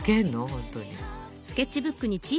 本当に。